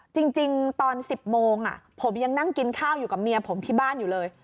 จริงตอน๑๐โมงผมยังนั่งกินข้าวอยู่กับเมียผมที่บ้านอยู่เลย